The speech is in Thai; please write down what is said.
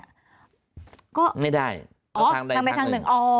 ไม่ได้ทางใดทางหนึ่งอ๋อทางใดทางหนึ่ง